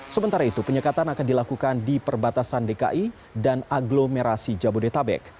sementara itu penyekatan akan dilakukan di perbatasan dki dan aglomerasi jabodetabek